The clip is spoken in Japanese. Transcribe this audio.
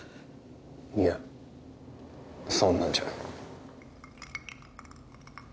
いやそんなんじゃ